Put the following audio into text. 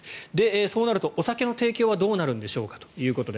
そうなるとお酒の提供はどうなるんでしょうか。